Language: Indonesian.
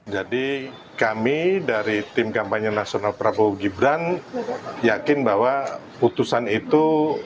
jadi kami dari tim kampanye nasional prabowo gibran yakin bahwa putusan itu